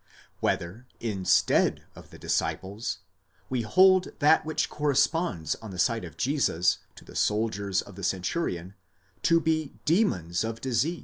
Whether instead of the disciples, we hold that which corresponds on the side of Jesus to the soldiers of the centurion to be demons of disease, 12 Paulus, exeg.